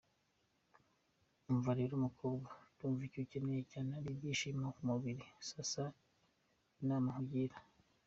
Umva rero mukobwa ndumva icyo ukeneye cyane ari ibyishimo muburiri, sasa inama na kugira.